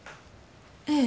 ええ。